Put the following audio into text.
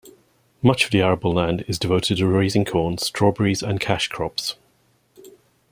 Much of the arable land is devoted to raising corn, strawberries and cash crops.